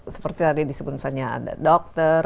seperti tadi disebut misalnya ada dokter